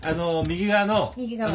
右側の。